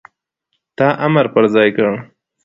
تا امر پر ځای کړ،